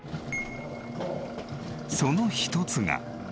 その一つが。